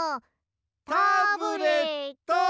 タブレットン！